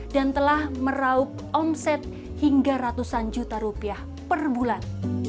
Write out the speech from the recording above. dan telah meraup omset hingga ratusan juta rupiah per bulan